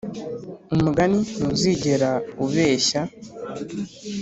umugani ntuzigera ubeshya,